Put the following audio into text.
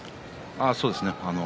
そうですね。